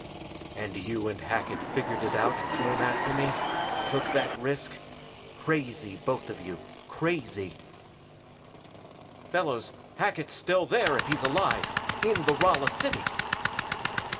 "And you and Hackett figured it out and came after me took that risk? Crazy, both of you. Crazy " "Fellows, Hackett's still there, if he's alive! In the Rala city!"